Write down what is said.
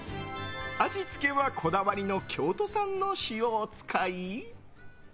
味付けはこだわりの京都産の塩を使い。